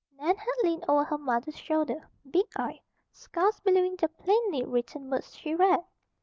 Nan had leaned over her mother's shoulder, big eyed, scarce believing the plainly written words she read.